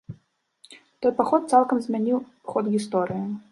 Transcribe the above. Той паход цалкам змяніў ход гісторыі.